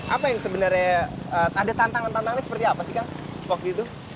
apa yang sebenarnya ada tantangan tantangannya seperti apa sih kang waktu itu